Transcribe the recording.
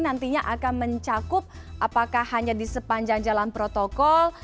nantinya akan mencakup apakah hanya di sepanjang jalan protokol